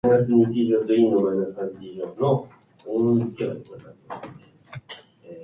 今朝ベッドの角に小指をぶつけました。